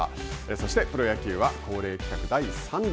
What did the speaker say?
そして、プロ野球は恒例企画第３弾。